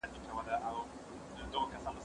زه پرون د کتابتوننۍ سره وم!.